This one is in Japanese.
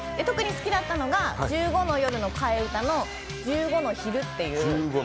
特に好きだったのが「１５の夜」の替え歌の「１５の昼」っていう。